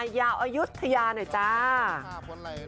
อายุดตระยานอย่าจ้า